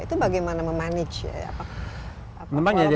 itu bagaimana memanage ya ya